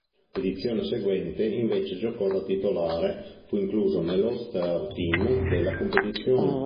L'edizione seguente invece giocò da titolare fu incluso nell'All-Star team della competizione.